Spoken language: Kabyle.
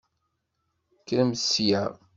Kkremt sya!